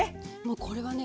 これはね